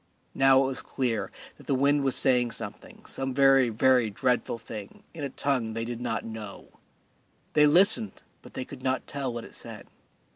Now it was clear that the wind was saying something, some very, very dreadful thing in a tongue that they did not know. They listened, but they could not tell what it said.